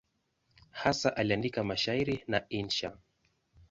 Hasa aliandika mashairi na insha.